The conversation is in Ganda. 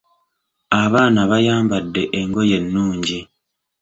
Abaana bayambadde engoye ennungi.